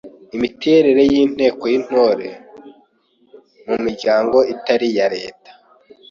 Imiterere y’Inteko y’Intore mu miryango itari iya Leta